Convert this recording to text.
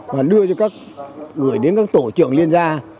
và đưa cho các gửi đến các tổ trưởng liên gia